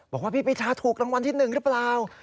บอกว่าพี่ปีชาถูกรางวัลที่๑หรือเปล่า